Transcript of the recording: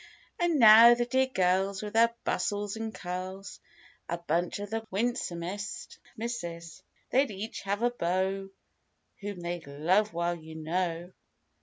And now, the dear girls, with their bustles and curls, (A bunch of the winsomest misses) They'd each have a beau whom they'd love well you know.